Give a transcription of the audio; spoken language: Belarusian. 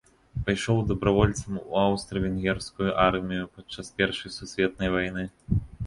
Пайшоў дабравольцам у аўстра-венгерскую армію падчас першай сусветнай вайны.